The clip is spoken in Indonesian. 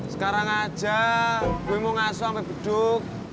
sekarang aja gue mau ngasoh sampe beduk